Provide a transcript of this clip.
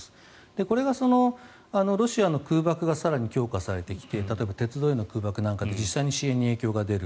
これがロシアの空爆が更に強化されてきて例えば鉄道への空爆なんかで実際に支援に影響が出る。